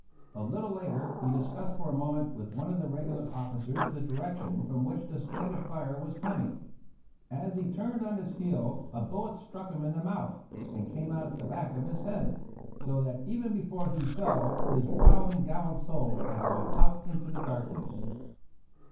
A little later he discussed for a moment with one of the regular officers the direction from which the Spanish fire was coming. As he turned on his heel a bullet struck him in the mouth and came out at the back of his head; so that even before he fell his wild and gallant soul had gone out into the darkness.